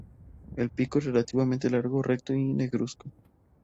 Su pico es relativamente largo, recto y negruzco.